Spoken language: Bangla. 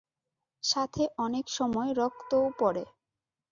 সাথে অনেক সময় রক্তও পরে।